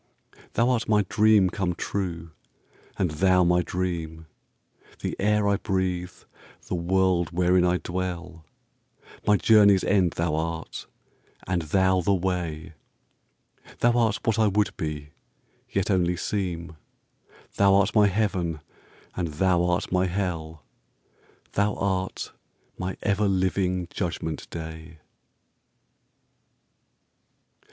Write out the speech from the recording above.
Thou art my dream come true, and thou my dream; The air I breathe, the world wherein I dwell; My journey's end thou art, and thou the way; Thou art what I would be, yet only seem; Thou art my heaven and thou art my hell; Thou art my ever living judgment day.